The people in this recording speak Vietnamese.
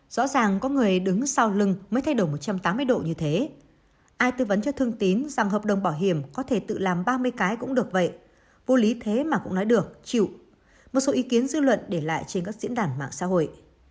rõ ràng có người đứng sau lưng mới thay đổi một trăm tám mươi độ như thế ai tư vấn cho thương tín rằng hợp đồng bảo hiểm có thể tự làm ba mươi cái cũng được vậy vô lý thế mà cũng nói được chịu một số ý kiến dư luận để lại trên các diễn đàn mạng xã hội